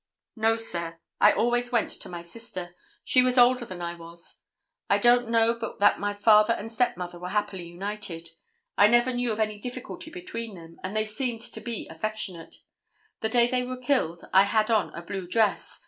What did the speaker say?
"No, sir. I always went to my sister. She was older than I was. I don't know but that my father and stepmother were happily united. I never knew of any difficulty between them, and they seemed to be affectionate. The day they were killed I had on a blue dress.